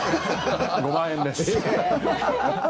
５万円です。